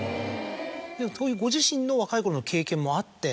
そういうご自身の若い頃の経験もあって。